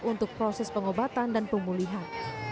untuk proses pengobatan dan pemulihan